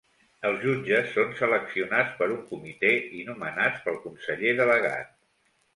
Els jutges són seleccionats per un comitè i nomenats pel conseller delegat.